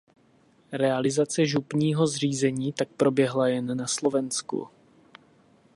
Realizace župního zřízení tak proběhla jen na Slovensku.